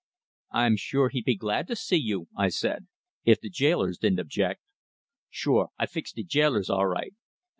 "I'm sure he'd be glad to see you," I said; "if the jailers didn't object." "Sure, I fix de jailers all right!"